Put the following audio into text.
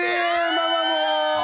ママも！